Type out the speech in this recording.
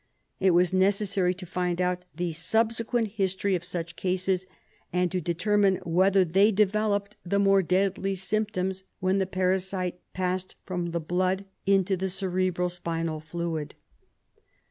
It was necessary to find out the subsequent history of such cases, and to determine whether they developed the more deadly symptoms when the parasite passed from the blood into the cerebro spinal fluid.